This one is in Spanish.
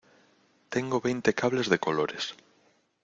tengo veinte cables de colores